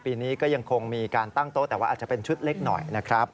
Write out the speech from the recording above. ปีนี้ก็ยังคงมีการตั้งโต๊ะแต่ว่าอาจจะเป็นชุดเล็กหน่อยนะครับ